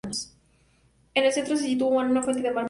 En el centro se sitúa una fuente de mármol rojo.